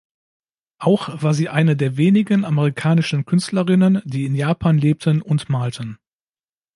Auch war sie eine der wenigen amerikanischen Künstlerinnen, die in Japan lebten und malten.